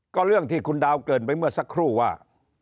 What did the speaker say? ก็เรื่องที่คุณดาวเกินไปเมื่อสักครู่ว่า